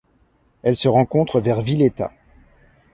Elle se rencontre vers Villeta.